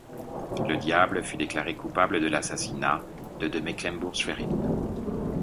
Le diable, fut déclaré coupable de l'assassinat de de Mecklembourg-Schwerin.